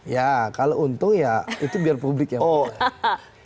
ya kalau untung ya itu biar publik yang paham